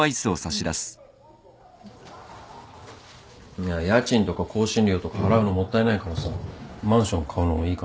いや家賃とか更新料とか払うのもったいないからさマンション買うのもいいかなって。